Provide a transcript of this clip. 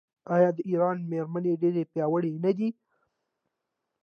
آیا د ایران میرمنې ډیرې پیاوړې نه دي؟